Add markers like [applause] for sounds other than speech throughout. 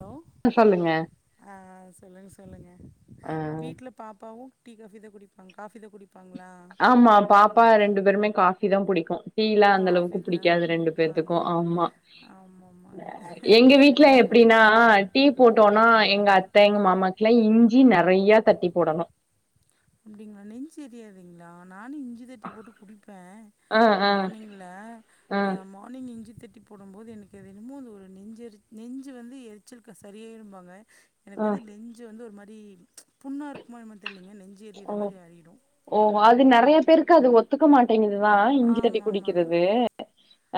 Hello சொல்லுங்க ஆ சொல்லுங்க ஆ சொல்லுங்க பாப்பாவு டீ காஃபி தா குடிப்பாங் காஃபி தா குடிப்பாங்ளா ஆம்மா பாப்பா ரெண்டு பேருமே காஃபி தா புடிக்கு டீல்லா அந்த அளவுக்கு காஃபி தா பிடிக்காது ரெண்டு குடிப்பாங்க பேத்துக்கு ஆம்மா ஆமாமாங்க எங்க வீட்ல இவ எப்டினா டீ போட்டோன்னா எங்கத்த எங்க மாமாக்லா இஞ்சி நெறையா தட்டி போடணு அப்டிங்லா நெஞ்சி ஏரியாதுங்ளா நானு இஞ்சி தட்டி போட்டு குடிப்ப ஆ ஆ மானிங்ல ஆ மார்னிங் இஞ்சி தட்டி போடும்போது எனக்கு அதென்னமோ அது ஒரு நெஞ்ச எரி நெஞ்சு வந்து எரிச்சல்க்கு சரியாயிரும்பாங்க எனக்கு ஆ வந்து நெஞ்சு வந்து ஒரு மாரி புண்ணார்க்குமோ என்னமோ தெர்லங்க நெஞ்சு எரியிற ஓ மாரி ஆறிடு ஓ அது நெறைய பேருக்கு அது ஒத் ஒத்துக்க மாட்டேங்குதுதா இஞ்சி தட்டி ஆமாமாங்க குடிக்கிறது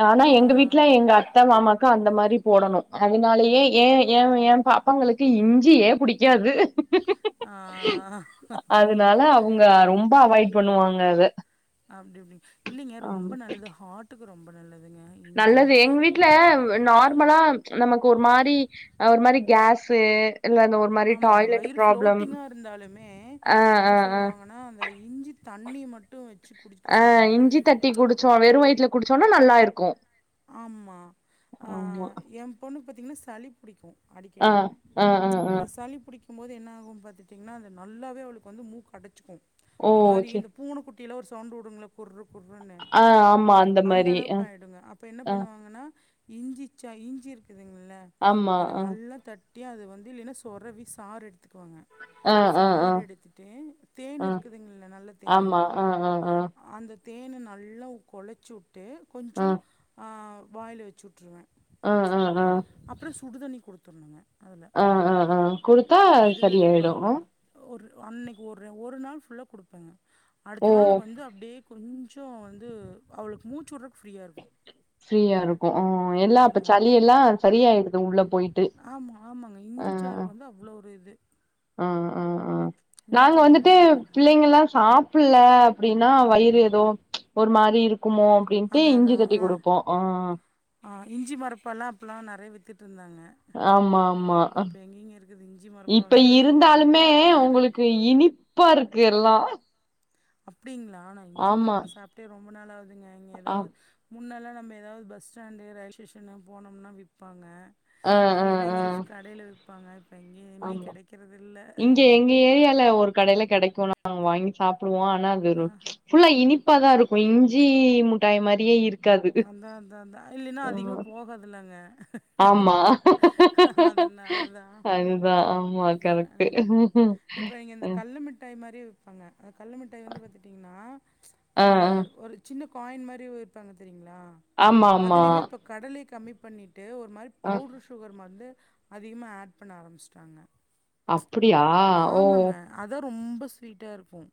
ஆனா ஆ எங்க ஆ வீட்ல எங்க அத்த மாமாக் அந்த மாரி போடணு அதனாலயே ஏ ஏ என் பாப்பாங்களுக்கு இஞ்சியே புடிக்காது ஆ அதுனால அவங்க ரொம்ப அவாய்ட் பண்ணுவாங்க அத அப்டி எப்டி இல்லங்க ஆம் ரொம்ப நல்லது ஹாட்டுக்கு ரொம்ப நல்லதுங்க இஞ்சி நல்லது எங்க வீட்ல நார்மலா நமக்கு ஒரு மாரி ஒரு மாரி கேஸ்சு இல்ல இந்த ஆமாங்க வயிறு ஃபுளோட்டிங்கா இருந்தாலுமே ஆ என்ன ஆ ஆ சொல்வாங்கன்னா இந்த இஞ்சி தண்ணி மட் ஆ இஞ்சி தட்டி குடிச்சா வெறு வய்த்ல குடிச்சோன்னா நல்லா இருக்கு ஆம்மா அ ஆமா எ பொண்ணுக்கு பாத்தீங்னா சளி புடிக்கு ஆ அடிக்கடி ஆ ஆ ஆ அ சளி புடிக்க க்கும் போது என்ன ஆகு பாத்துடீங்கன்னா அது நல்லாவே அவளுக்கு வந்து மூக்கு அடச்சுக்கு ஓ ஒரு மாரி செரி இந்த பூனை கு குட்டி எல்லா ஒரு சவுண்ட் வுடுங்கல்ல குர்ரூ குர்ரூன்னு ஆ ஆமா அந்த மாரி அ அளவுக்கு ஆயிடுங்க அப்ப என்ன அ பாண்ணுவாங்கன்னா இஞ்சி இச் இஞ்சி இருக்குதுங்கல்லா ஆமா அத அ நல்லா தட்டி அப்டியே அது வந்து இல்லன்னா சொரவி சாறு எடுத்துக்குவங்க அ அ அ சாற் எடுத்துட்டு தேன் அ இருக்குதுங்கல்ல நல்ல தேனு ஆமா அ அ அ அ அந்த தேனு நல்லா கொழச்சு வுட்டு கொஞ்ச அ வாயிலா வச்சுட்ருவ ஆ ஆ ஆ அப்றொ சுடு தண்ணி குடுத்துர்ணுங்க அதுல அ அ அ குடுத்தா வெது வெதுப்பா சரியாயிடு ஒரு அன்னக்கி ஒரு ஒரு நாள் ஃபுல்லா குடுப்பங்க ஓ அடுத்த நாள் வந்து அப்டியே கொஞ்சொ வந்து அவளுக்கு மூச்சு வுட்றக்கு ஃப்ரீயா ருக்கு ஃப்ரீயாருக்கு ஊ எல்லா அப்ப சளி எல்லா சரியாயிடுது உள்ள போயிட்டு ஆமா ஆமாங்க ஆ இஞ்சி சாருக்கு வந்து அவ்ளோ ஒர் இது அ அ அ இஞ்சி நாங்க சாறு வந்து வந்துட்டு நல்லது புள்ளைங்கல்லா சாப்புல்ல அப்டின்னா வயிறு ஏதோ ஒரு மாரி இருக்குமோ அப்டின்ட்டு அதா இஞ்சி அதா தட்டி ஆ குடுப்போ ஆ ஆ இஞ்சி மரப்பால்லா அப்பல்லா நெறைய வித்துட்ருந்தாங்க ஆமா ஆமா இப்ப எங்கெங்க இருக்குது இஞ்சி இஞ்ஜி மரப்பாங்கிறதே இருந்தாலுமே ரொம்ப ரேரு உங்களுக்கு இப்ப இனிப்பா இருக்கு எல்லா அப்டிங்களா நா இஞ்சி ஆமா மரப்பா சாப்ட்டே ரொம்ப நாள் ஆகுதுங்க இங்க ஆ எதாவது முன்னெல்லா நம்ம எதாவது பஸ் ஸ்டாண்டு ரயில் ஸ்டேஷன்ல போனோம்னா விப்பாங்க ஆ ஆ இல்லேன்னா ஆ எங்கேயாச்சு கடையில விப்பாங்க இப்ப எங்கையுமே ஆமா கெடைக்கிறது இல்ல இங்க எங்க ஏரியால ஒரு கடையில கெடைக்கு நா வாங்கி சாப்புடுவோ ஆனா அது ரொ ஃபுல்லா இனிப்பா தா இருக்கு இஞ்சி முட்டாய் மாரியே இருக் அதா அதா அதா இல்லீன்னா அதிகமா போகாதுலங்க ஆமா அதனாலதா அதுதா ஆமா கரெக்ட்டு நீங்க இந்த ஆ கல்ல மிட்டாய் மாரி விப்பாங்க அ கல்ல மிட்டாய வந்து பாத்துட்டீங்கன்னா ஆ நம்ப ஒரு சின்ன காயின் மாரி விப்பாங்க தெரியுங்ளா ஆமா ஆமா அதுலயுமே இப்ப கடலைய கம்மி பண்ணிட்டு ஒரு மாரி ஆ பவுட்ரு சுகர் மர்ந்து அதிகமா ஆட் பண்ண ஆரம்பிச்சுட்டாங்க அப்புடியா ஓ ஆமாங்க அதா ரொம்ப ஸ்வீட்டா இருக்கும்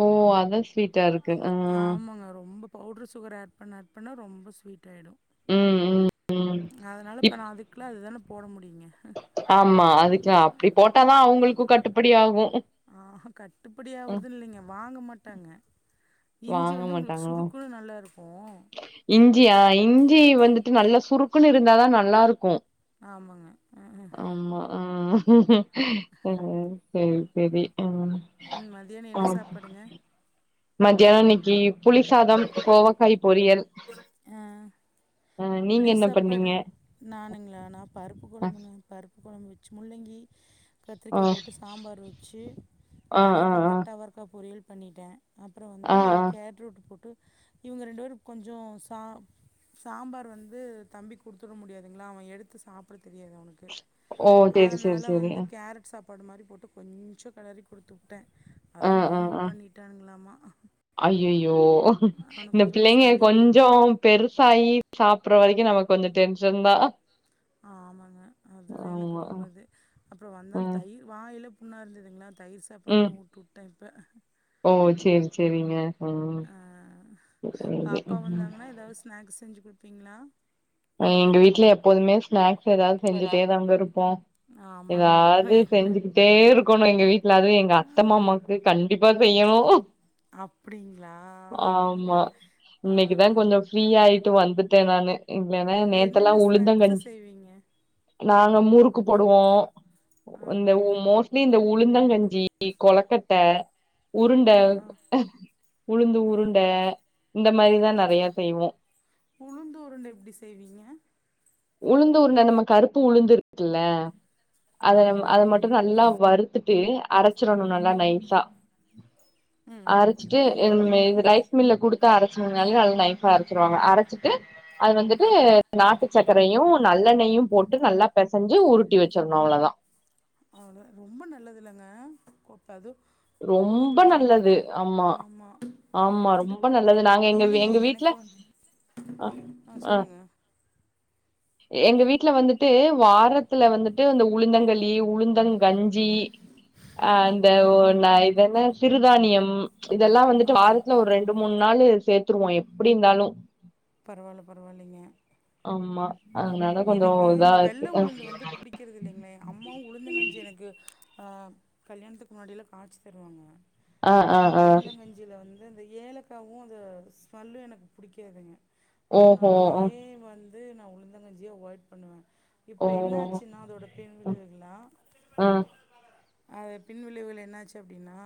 ஓ அதா ஸ்வீட்டா இருக்கு ஆ ஆ அவுங்க ரொம்பப் பவுட்ரு சுகர் ஆட் பண்ண ஆட் பண்ணா ரொம்ப ஸ்விட் ஆயிடு ம் ம் ம் நா அதுனால இப்ப இப் நா அதுக்குள்ள அதுதான போட முடியுங்க ஆமா அதுக்கா அப்புடி போட்டாதா அவுங்களுக்கு கட்டுப்படி ஆகு ஆ கட்டுப்படி ஆ ஆவுறது இல்லைங்க வாங்க மாட்டாங்க இஞ்சி வாங்க வந்து உங்களுக்கு மாட்டாங்களா சுருக்குன்னு நல்லா இருக்கு இஞ்சியா இஞ்சி வந்துட்டு நல்லா சுருக்குன்னு இருந்தா தா நல்லாருக்கு ஆமாங்க அஹ், அஹ். ஆமா ஆ [unintelligible] செரி செரி ம் ம் மதியானோ என்ன சாப்பாடுங்க மத்தியானோ இன்னைக்கி புளிசாதம் கோவக்காய் பொரியல் அ அ ஆ நீங்க புளி என்ன சாப்பாடு பண்ணீங்க நானுங்களா நா பருப்பு ஆ கொழம்புங்க பருப் ப்பு கொழம்பு வச்சு முள்ளங்கி ஆ கத்திரிக்காய் போட்டு சாம்பார் வச்சு ஆ ஆ அவரக்கா ஆ பட்ட அவரக்கா பொரியல் பண்ணிட்டே அப்பறோ ஆ வந்து ஆ கேட்ரூட்டு போட்டு இவுங்க ரெண்டு பேரு கொஞ்சோ ச சாம்பார் வச் வந்து தம்பி குடுத்துற முடியாதுங்களா அவன் எடுத்து சாப்புட தெரியாது அவனுக்கு ஓ சரி சரி அதுனால சரி வந்து கேரட் சாப் ப்பாடு மாரி போட்டு கொஞ்சோ கெளறி குடுத்து வுட்டே அதையு வாமிட் பண்ணிட்டானுங்களாமா அய்யய்யோ அவனுக்கு இந்த கொஞ்சம் பிள்ளைங்க சளிங்க கொஞ்சோம் பெருசாயி சாப்புட்ற வரைக்கு நமக்கு கொஞ்ச டென்ஷன் தா ஆமாங்க அதுதா எனக்கு ஆமா ரொம்ப இது அப்றோ வந்து ஆ அந்த தயிர் வாயில புண்ணா இருந்ததுங்களா தயர் சாப்பாடு ம் தா குடுத்து வுட்டே இப்ப ஓ சேரி சேரிங்க ம் அ அ சேரி பாப்பா ம் வந்தாங்கன்னா எதாவது ஸ்நாக்ஸ் செஞ்சு குடுப்பீங்களா எங்க வீட்ல எப்போதுமே ஸ்நாக்ஸ் எதாவது செஞ்சுகிட்டே தாங்க இருப்போ ஆமாங்க அப்புறோ எதாவது என்ன செஞ்சுகிட்டே இருக்கணு எங்க வீட் ல்லாவே எங்க அத்த மாமாக்கு கண்டிப்பா செய்யணு அப்டிங்களா ஆமா ஆ இன்னைக்கு தா ஆ கொஞ்ச ஃப்ரீயாயிட்டு வந்துட்டே நானு இல்லனா ஆ நேத்தெல்லா என்னென்ன உளுந்தங் ஸ்நாக்ஸு கஞ்சி செய்வீங்க நாங்க முறுக்கு போடுவோ ஆ இந்த இவ் மோ இந்த உளுந்தங்கஞ்சி கொழக்கட்ட உருண்ட ஆ ஆ உளுந்து உருண்ட இந்த மாரி தா நெறையா செய்வோ உளுந்து உருண்ட எப்டி செய்வீங்க உளுந்து உருண்ட நம்ம கருப்பு உளுந்து இருக்குல்ல அத ஆமா அத மட்டு நல்லா வறுத்துட்டு அரைச்சிறணு நல்லா நைஸா ம் அரை ச்சிட்டு இங் இது ரைஸ் மில்ல குடுத்தா அரைச்சுருது நல்லா அதுவு நைஸா அரைச்சிருவாங்க அரைச்சிட்டு அது வந்துட்டு நாட்டுச் சக்கரையு நல்லெண்ணெய்யு போட்டு நல்லா பெசஞ்சு உருட்டி வச்சிற்ணு அவளதா அவளதா ரொம்ப நல்லதுல்லங்க கோப்தா அது பொண் ரொம்ப பிள்ளைங்களுக்ளா நல்லது ஆமா ஆமா இடுப்பு ரொம்ப வலிக்குலா நல்லது நாங்க எங்க இல்லைங்க எங்க வீட்ல எனக்கு வந் அ ஆ அ சொல்லுங்க எங்க வீட்ல வந்துட்டு வாரத்துல வந்துட்டு அந்த உளுந்தங்களி உளுந்தங் கஞ்சி அ ஆ அந்த ஆ ஒ நா இதென்ன சிறுதானியம் இதெல்லா ஆ வந்துட்டு வாரத்துல ஒரு ரெண்டு மூண் நாள் சேத்துருவோ எப்டி இருந்தாலு பரவால்ல பரவால்லைங்க ஆமா அதனால கொஞ்ச இதா இருக்கு புடிக்கிறது இல்லைங்ளே அம்மாவு உளுந்தங்கஞ்சி எனக்கு ஆ கல்யாணத்துக்கு முன்னாடிலா காச்சி தருவாங்க ஆ அந்த உளுந்தங்கஞ் இதுல வந்து அந்த ஏலக்காவு அந்த ஸ்மெல்லு எனக்கு புடிக்காதுங்க ஓஹோ அதனாலயே வந்து நா உளுந்தங்கஞ்சியே அவாய்ட் பண்ணுவே இப்ப ஓ என்னாச்சுனா அதோட பின் விளைவுகள்லா ஆ அது பின் விளைவுகள் என்னாச்சு அப்டினா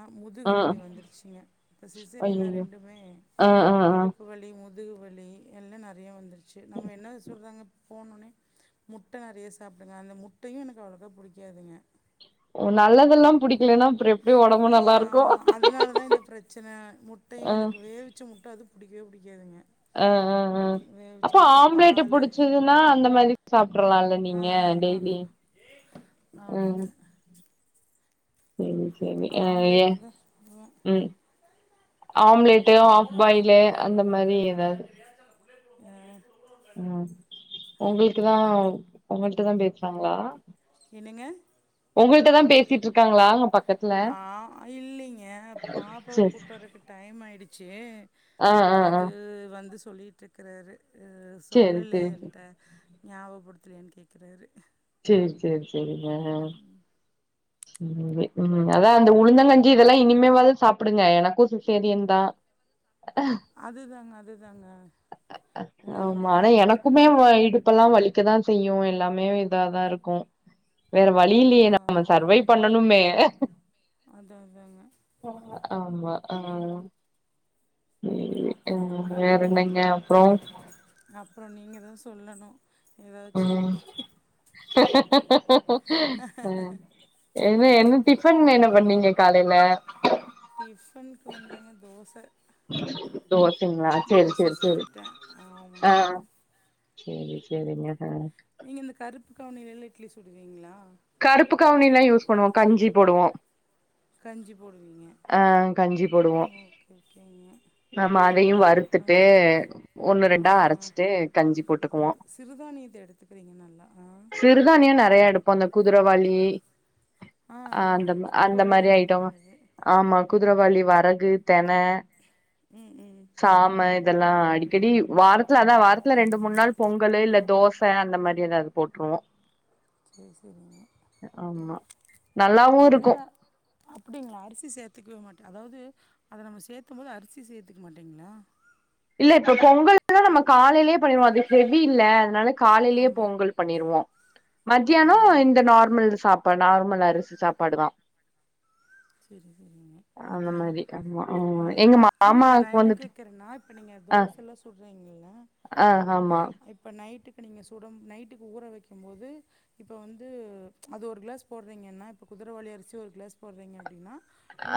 ஆ முதுகுவலி வந்துருச்சுங்க இப்ப சிசரியனா ஐயயோ ரெண்டுமே ஆ ஆ ஆ இடுப் ப்பு வலி முதுகுவலி எல்லா நெறையா வந்துருச்சு நம்ம என்ன சொல்றாங்க போணோனே முட்ட நெறைய சாப்டுங்க அந்த முட்டையு எனக்கு அவ்ளோக்கா புடிக்காதுங்க ஓ நல்லதெல்லா புடிக்கலன்னா அப்ற எப் ஐய ஆமா அதுனால தா இந்த பிரச்சன ஆ முட்டையு எனக்கு வேவச் ச்ச முட்ட அது புடிக்கவே புடிக்காதுங்க ஆ ஆ ஆ அப்ப ஆம்ப்லேட் பால் புடிச்சதுனா அந்த மாதிரி சாப்ட்றலால ஆ நீங்க ஆ டெய்லி ம் ஆமாங்க செரி செரி அத ஏ ஆம்லேட் தான் சாப்பிடுவேன் ம் ஆம்ப்லேட்டு ஹாஃப் பாய்லு அந்த மாரி எதாவ்து ம் ம் ஒங்களுக்குதா ஒங்கள்ட தா பேசுறாங்ளா என்னங்க ஒங்கள்ட தா பேசிட்ருக்காங்களா அங்க பக் ஆ இல்லைங்க பாப்பாவ சேரி கூட்டு வரக்கு டைம் ஆயிருச்சு ஆ ஆ ஆ அது வந்து சொல்லிட்ருக்குறாரு அ சேரி சொல்லல சேரி என்ட்ட ஞாபகப்படுத்தலயான்னு கேக்குறாரு சேரி சேரி சேரிங்க ம் அதா அந்த உளுந்தங்கஞ்சி இதெல்லா இனிமேவாது சாப்புடுங்க எனக்கு சிசேரியன் தா அதுதாங்க அதுதாங்க உளுந்தங்கஞ்சி தா எடுத்துக்கணு இப்பெல்லா வலிக்கதா செய்யு எல்லாமே இதாதா இருக்கு வேற வழியில்லயே ஆ ஆ நாம பண்ணனுமே அதா அதாங்க ஆமா ஆ வேற என்னங்க அப்றோ அப்றோ நீங்க தா சொல்லணு ஏதாச்சு ம் அ என்ன என்ன டிஃபன் என்ன பண்ணீங்க காலைல டிஃபன்க்கு வந்துங்க தோச தோசைங்களா சரி தோச சரி சரி சுட்டுட்டே அ ஆமாங்க செரி செரிங்க அ நீங்க இந்த கருப்பு கவுனியிலா இட்லி சுடுவீங்களா கருப்பு கவுனிலா யூஸ் பண்ணுவோ கஞ்சி போடுவோ கஞ்சி போடுவீங்க ஆ கஞ்சி போடுவோ ஓகே ஓகேங்க ஆமா அதையு வறுத்துட்டு கருப்புகவுனி ஒண்ணு ஆ ரெண்டா ஆ அரச்சிட்டு கஞ்சி போட்டுக்குவோ பரவால் சிறுதானியத்த எடுத் துகிறீங்க நல்லா ஆ சிறுதானியோ நெறயா எடுப்போ அந்த குதிரைவாளி ஆ அந்தம் அந்த குதிரவாளியில மாரி ரொம்ப ஐட்டோ நல்லது ஆமா குதிரவாளி வரகு தெண ம் ம் சாம இதெல்லா அடிக்கடி வாரத்துல அதா வாரத்துல ரெண்டு மூன் நாள் பொங்கலு இல்ல தோச அந்த மாரி ஏதாவது போட்ருவோ சரி சரிங்க ஆமா நல்லாவு இருக்கு அப்டிங்களா அரிசி சேத்துக்கவே மாட்டே அதாவது அத நம்ம சேக்கும் போது அரிசி சேத்துக்க மாட்டீங்ளா இல்ல இப்ப பொங்கல்னா நம்ம காலைலே பண்ணிருவோ அது ஹெவி இல்ல அதனால காலைலே ஆமா பொங்கல் பண்ணிருவோ மத்தியானோ சரிங்க இந்த நார்மல் சாப்பாடு நார்மல் அரிசி சாப்பாடுதா செரி செரிங்க அந்த மத்தியானோ மாரி ஆமா ஆமா எங்க ம் இல்ல இல்ல நா மாமாக்கு என்ன வந்துட்டு கேக்குறேன்னா இப்ப நீங்க தோசல்லா சுட்றீங்கல்ல அ ஆமா இப்ப நைட்டுக்கு நீங்க சுடம் நைட்டுக்கு ஊற வைக்கும் போது இப்போ வந்து அது ஒரு கிளாஸ் போட்றீங்கன்னா இப்ப குதுரவாளி அரிசி ஒரு கிளாஸ் போட்றீங்க அப்டின்னா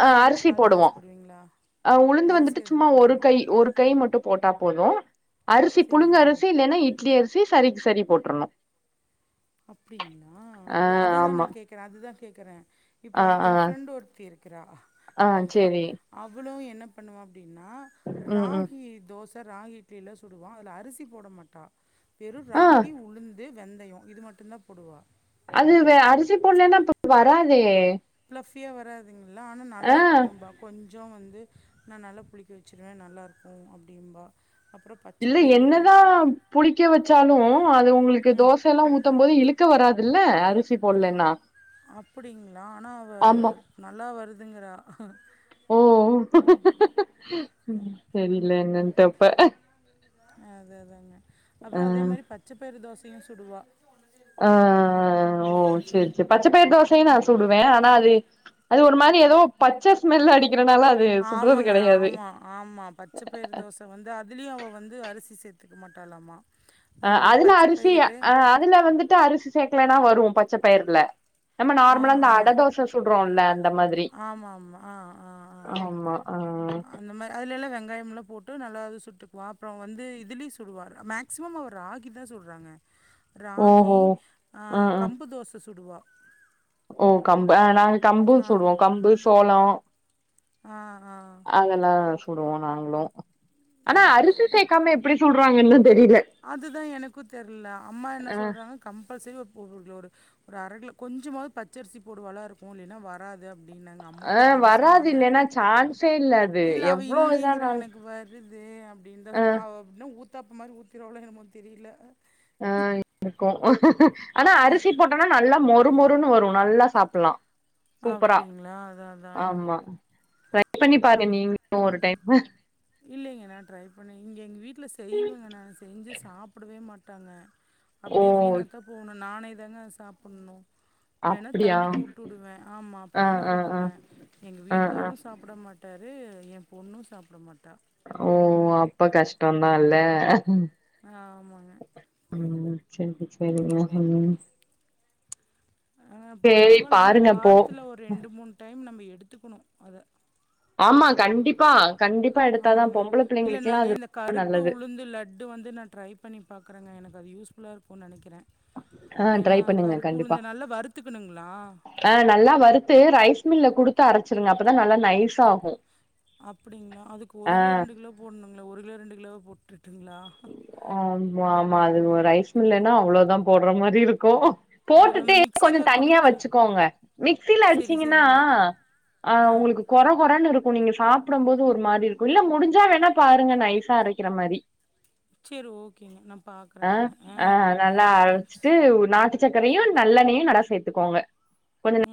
அ அரிசி போடுவோ அ உளுந்து அரிசி வந்துட்டு சும்மா அதில் ஒரு போடணும் கை ஒரு கை மட்டும் போட்டா போது அரிசி சரி புழுங்க சரிங்க அரிசி இல்லன்னா இட்லி அரிசி சரிக்கு சரி போட்ருணு அப்டிங்ளா ஆ அது அதுதா ஆமா நா கேக்குறே அதுதா கேக்குறே இப்போ ஆ ஆ எ ஃப்ரெண்டு் ஒருத்தி இருக்கிறா ஆ அவ சேரி அவளு என்ன பண்ணுவா அப்டின்னா ம் ம் ராகி தோச ராகி இட்லிலா சுடுவா அதுல அரிசி போட மாட்டா வெறு ஆ ராகி உளுந்து வெந்தயோ இது மட்டுந்தா போடுவா அது வே அரிசி போட்லன்னா இப்ப வராதே பிளஃபியா வராதுங்களா ஆனா நல்லா ஆ இருக்குதும்பா கொஞ்சோ வந்து நா நல்லா புளிக்க வச்சுருவே நல்லாயிருக்கு அப்டிம்பா இல்ல என்னதா புளிக்க வச்சாலு அது உங்களுக்கு ம் தோசல்லா ஊத் தும் போது இளுக்க வராதுல்ல அரிசி போட்லன்னா அப்டிங்குளா ஆனா அவ ஆமா நல்லா வருதுங்குறா ஓ தெரில என்னன்டு அப்ப அதேதாங்க ஆ அப்றோ அதே மாரி பச்சப்பயிறு தோசையு சுடுவா ஆ ஓ செர் செரி பச்சைப்பயறு தோசையு நா சுடுவே ஆனா அது அது ஒரு மாரி ஏதோ பச்ச ஸ்மெல் அடிக்கறனால அது சுடறது ஆமாங்க கெடையாது இப்ப வந்து அதுலயு அவ வந்து அரிசி சேத்துக்க மாட்டாலாமா அ அதுல அரிசி அ அதுல வந்துட்டு அரிசி சேக்லனா வரு பச்சப்பயிர்ல நம்ம ஆ நார்மலா அந்த ஆ அடதோச சுடுறோல்ல அந்த மாதிரி ஆமா ஆமா ஆ ஆ ஆமா ஆ அந்த மாரி அதுல எல்லா வெங்காயமெல்லா போட்டு நல்லாவே சுட்டுக்குவா அப்றோ வந்து இதுலியு சுட்டுவா மேக் சிமம் அவ ராகிதா சுடுறாங்க ராகி, ஓஹோ ஆ ஆ கம்பு தோச சுடுவா ஓ கம்பு ஆ நாங்க கம்பு ஆமா சுடுவோ கம்பு, சோளோ ஆ ஆ அதெல்லா சுடுவோ நாங்களு ஆனா அதான். அரிசி சேக்காம எப்டி சுட்றாங்கன்னுதா தெரில அதுதா எனுக்கு தெர்ல அம்மா என்ன ஆ சொல்றாங்க கம்பல்சரி இப்ப ஒரு ஒரு அரகிலோ கொஞ்சமாவ்து பச்சரிசி போடுவாலா இருக்கு இல்லைனா வராது அப்டின்னாங்க அம்மாவு ஆ அதேதா வராது சொன்னாங்க இல்லன்னா சான்ஸே அது இல்ல அவ எவ்ளோ இல்லீங்கிறா இதானாலு எனக்கு வருது அப்டின்தா ஆ சொன்னா அவ அப்டினா ஊத்தாப்பு மாரி ஊத்திருவாளோ என்னமோ தெரில ஆ இருக்கு ஆனா அரிசி போ ஆனா நல்லா மொறு மொறுன்னு வரு நல்லா சாப்பல்லா சூப்பரா அப்படிங்களா அதான் அதான் ஆமா ட்ரை பண்ணி பாருங்க நீங்ளு ஒரு டைமு இல்லைங்க நா ட்ரை பண்ணி இங்க எங்க வீட்ல செய்வங்க நா செஞ்சு சா சாப்டவே மாட்டாங்க ஓ அப்டியே வீணாத்தா போணு நானேதாங்க அத சாப்புண்ணு வேணா அப்டியா தம்பிக்கு ஊட்டுவுடுவே ஆமா ஆ பையனுக்கு ஆ ஆ ஊட்டுவுடுவே எங்க ஆ ஆ வீட்டுக்காரு சாப்ட மாட்டாரு என் பொண்ணு சாப்ட மாட்டா ஓ அப்ப கஷ்டந்தா இல்ல ஆமாங்க ம் சேரி சேரிங்க ம் ஆ இப்போ சேரி பரவால ஆனா பாருங்க அப்போ வாரத்தல ஒரு ரெண்டு மூணு டைம் நம்ம எடுத்துக்கணு அத ஆமா கண்டிப்பா கண்டிப்பா எடுத்தாதா ஆமாங்க பொம்பள இல்ல பிள்ளைங்களுக்குல்லா நானு அது இந்த ரொம்ப கருப்பு நல்லது உளுந்து லட ட்டு வந்து நா ட்ரை பண்ணி பாக்கறங்க எனக்கு அது யூஸ்ஃபுல்லா இருக்குனு நெனைக்கிற ஆ ஏனா ட்ரை பண்ணுங்க கருப்பு கண்டிப்பா உளுந்த நல்லா வறுத்துக்கணுங்ளா ஆ நல்லா வறுத்து ரைஸ் மில்ல குடுத்து அரச்சிருங்க அப்பதா நல்லா நைஸா ஆகு அப்டிங்ளா அதுக்கு ஒரு கிலோ ரெண்டு கிலோ போடுணுங்ளா ஒரு கிலோ ரெண்டு கிலோவே போட்டுட்ருங்ளா ஆமா ஆமா அது ஒரு ரைஸ் மில்லனா அவ்ளதா போடற மாரி இரு க்கு ஆ நம்ம போட்டுட்டே கொஞ்சோ மிக்சியில தனியா குடிச்ச வெச்சுக்கோங்க மிக்சில செரி அடிச்சீங்கன்னா செரிங்க ஆ உங்களுக்கு கொற கொறன்னு இருக்கு நீங்க சாப்பிடும்போது ஒரு மாரி இருக்கு இல்ல முடிஞ்சா வேணா பாருங்க நைசா அரைக்கிற மாரி சேரி ஓகேங்க நா பாக்குறே அ நானு ஆ நல்லா அரச்சிட்டு நாட்டு சக்கரையு நல்லெண்ணையு நடா சேத்துக்கோங்க கொஞ் ஆ